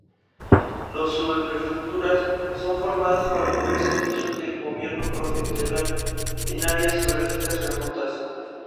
Las subprefecturas son formadas para proveer servicios del gobierno prefectural en áreas geográficas remotas.